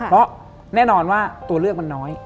เพราะแน่นอนว่าตัวเลือกมันน้อย